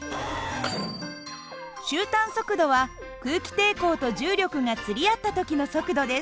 終端速度は空気抵抗と重力が釣り合った時の速度です。